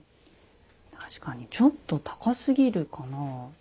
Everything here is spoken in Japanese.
確かにちょっと高すぎるかな。